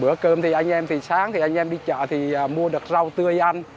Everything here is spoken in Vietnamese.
bữa cơm thì anh em từ sáng thì anh em đi chợ thì mua được rau tươi ăn